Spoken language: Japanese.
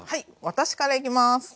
私からいきます。